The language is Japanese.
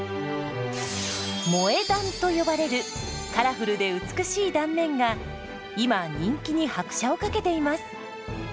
「萌え断」と呼ばれるカラフルで美しい断面が今人気に拍車をかけています。